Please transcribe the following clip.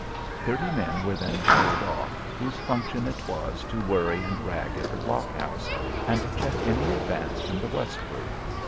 Thirty men were then told off, whose function it was to worry and rag at the blockhouse, and check any advance from the westward.